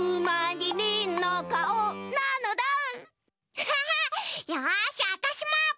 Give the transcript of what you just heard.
アハハッよしわたしも！